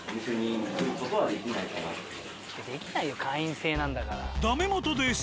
できないよ会員制なんだから。